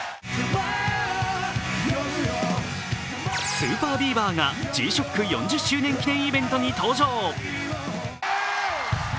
ＳＵＰＥＲＢＥＡＶＥＲがＧ−ＳＨＯＣＫ４０周年記念イベントに登場。